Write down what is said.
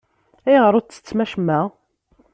Ayɣer ur ttettem acemma?